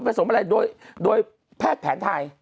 สมอะไรโดยแพทย์แผนไทย